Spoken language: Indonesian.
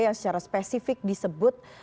yang secara spesifik disebut